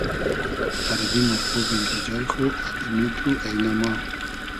اردی مۉ خوبی دۂ جای خو آدئمی تو اݷنۂ ما